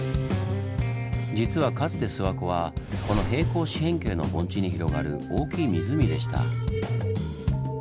実はかつて諏訪湖はこの平行四辺形の盆地に広がる大きい湖でした。